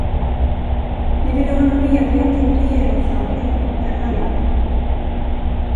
Ni ville ha en medveten regeringshandling, herr Halling.